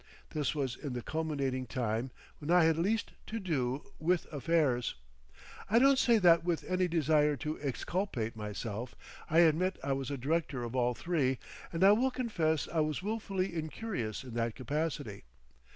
This was in the culminating time when I had least to do with affairs. I don't say that with any desire to exculpate myself; I admit I was a director of all three, and I will confess I was willfully incurious in that capacity.